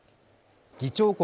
議長国